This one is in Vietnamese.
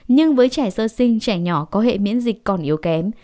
nhưng với trẻ sơ sinh trẻ nhỏ có hệ miễn dịch còn yếu kém